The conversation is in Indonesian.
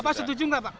bapak setuju enggak pak